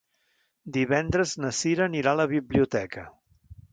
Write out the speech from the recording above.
Divendres na Cira anirà a la biblioteca.